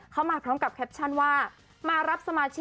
เขามาพร้อมกับแคปชั่นว่า